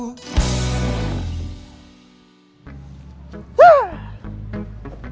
kamu baru tau